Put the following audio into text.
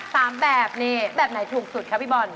อ๋อสามแบบนี่แบบไหนถูกสุดครับพี่บอล